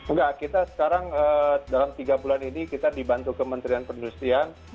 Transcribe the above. enggak kita sekarang dalam tiga bulan ini kita dibantu ke menteri dan penduduk industri